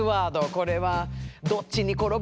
これはどっちに転ぶかな？